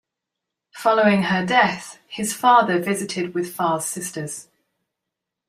Following her death, his father visited with Farr's sisters.